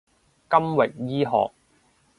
金域醫學